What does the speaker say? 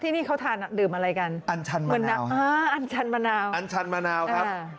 ที่นี่เขาทานอ่ะดื่มอะไรกันอันชันมะนาวอันชันมะนาวอันชันมะนาวครับ